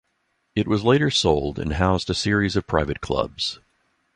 It was later sold and housed a series of private clubs.